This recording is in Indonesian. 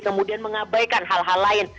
kemudian mengabaikan hal hal lain